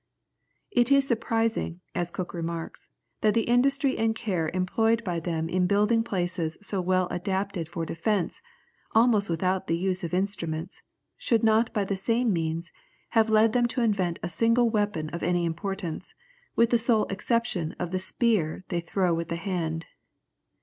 "It is surprising," as Cook remarks, "that the industry and care employed by them in building places so well adapted for defence, almost without the use of instruments, should not by the same means, have led them to invent a single weapon of any importance, with the sole exception of the spear they throw with the hand.